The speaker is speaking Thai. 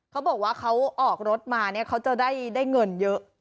เขาบอกว่าเขาออกรถมาเนี่ยเขาจะได้เงินเยอะ